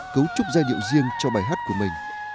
chúc giai điệu riêng cho bài hát của mình